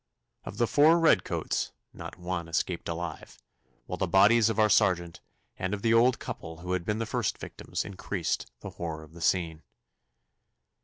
Of the four red coats not one escaped alive, while the bodies of our sergeant and of the old couple who had been the first victims increased the horror of the scene.